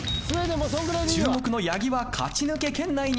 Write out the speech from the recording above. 注目の八木は勝ち抜け圏内にいます。